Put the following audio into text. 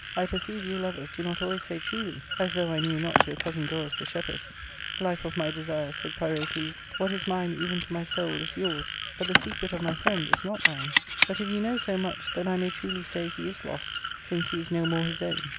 I perceive lyou lovers do not always say truly ; as though I knew not ' jyour cousin Dorus the shepherd !"" Life of my desires," 'said Pyrocles, " what is mine, even to my soul, is yours ; but the secret of my friend is not mine. But if you know so much, then I may truly say he is lost, since he is no more his own.